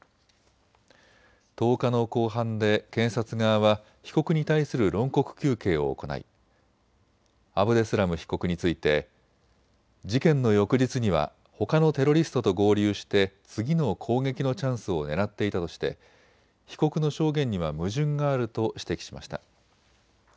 １０日の公判で検察側は被告に対する論告求刑を行いアブデスラム被告について事件の翌日にはほかのテロリストと合流して次の攻撃のチャンスをねらっていたとして被告の証言には矛盾があると指摘しました。